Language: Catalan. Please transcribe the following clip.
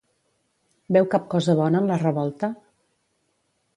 Veu cap cosa bona en la revolta?